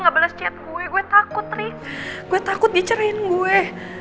nggak boleh chat gue gue takut rik gue takut diceritain gue